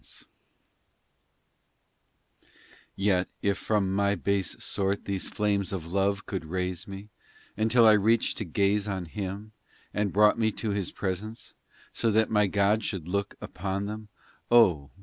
2Q4 POEMS IX Yet, if from my base sort These flames of love could raise me, Until I reached to gaze on Him, And brought me to His presence, So that my God should look upon them x Oh